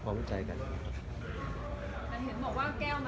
แก้วมันร้าวก้าวก็มันหลอมใหม่